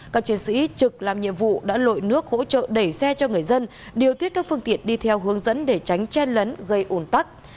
các chiến sĩ trực làm nhiệm vụ đã lội nước hỗ trợ đẩy xe cho người dân điều tiết các phương tiện đi theo hướng dẫn để tránh chen lấn gây ổn tắc